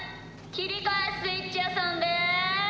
きりかえスイッチやさんです。